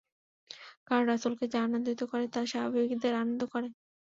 কারণ রাসূলকে যা আনন্দিত করে তা সাহাবীদের আনন্দিত করে।